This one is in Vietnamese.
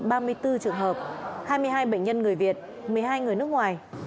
ba mươi bốn trường hợp hai mươi hai bệnh nhân người việt một mươi hai người nước ngoài